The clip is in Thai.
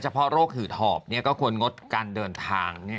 พอโรคให้ถอบก็ควรงดการเดินทาง